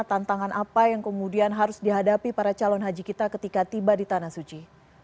tantangan apa yang kemudian harus dihadapi para calon haji kita ketika tiba di tanah suci